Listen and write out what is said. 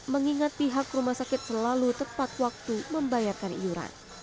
mengingat pihak rumah sakit selalu tepat waktu membayarkan iuran